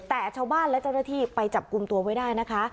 แต่ชาวบ้านและเจ้าหน้าที่ไปจับกลุ่มตัวไว้ได้นะคะ